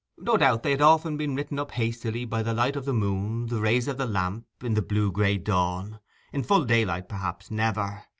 No doubt they had often been written up hastily by the light of the moon, the rays of the lamp, in the blue grey dawn, in full daylight perhaps never.